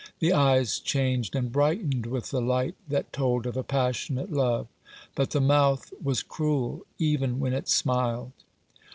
The eyes changed and brightened with the light that told of a passionate love ; but the mouth was cruel, even when it smiled.